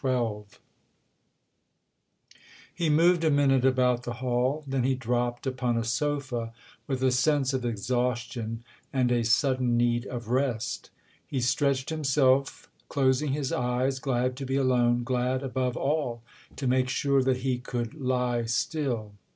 XII HE moved a minute about the hall ; then he dropped upon a sofa with a sense of exhaustion and a sudden need of rest; he stretched himself, closing his eyes, glad to be alone, glad above all to make sure that he could lie still.